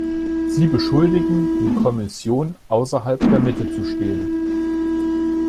Sie beschuldigen die Kommission, außerhalb der Mitte zu stehen.